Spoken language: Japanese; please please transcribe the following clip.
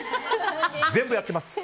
全部やってます。